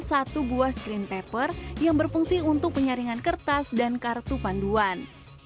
satu buah screen paper yang berfungsi untuk penyaringan kertas dan kartu panduan